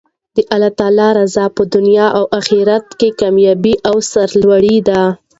د الله تعالی رضاء په دنیا او اخرت کښي کاميابي او سر لوړي ده.